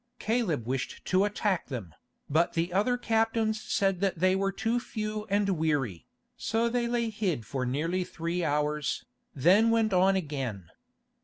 Caleb wished to attack them, but the other captains said that they were too few and weary, so they lay hid for nearly three hours, then went on again.